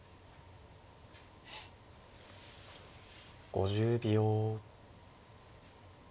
５０秒。